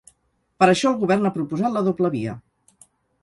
Per això el govern ha proposat la doble via.